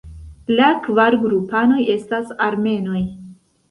La kvar grupanoj estas Armenoj.